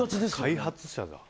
開発者だ